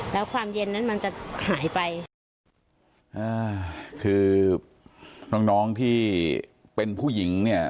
แล้วความเย็นนั้นมันจะหายไปอ่าคือน้องน้องที่เป็นผู้หญิงเนี่ย